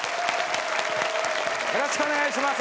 よろしくお願いします。